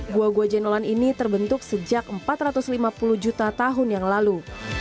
gua gua jenolan ini terbentuk sejak empat ratus lima puluh juta tahun yang lalu